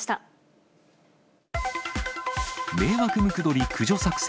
迷惑ムクドリ駆除作戦。